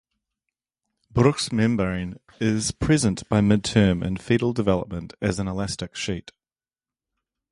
Bruch's membrane is present by midterm in fetal development as an elastic sheet.